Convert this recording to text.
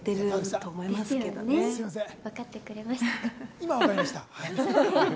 今、分かりました。